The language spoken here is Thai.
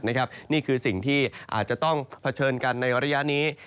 นี่คือสิ่งที่อาจจะต้องเผชิญกันในระยะนี้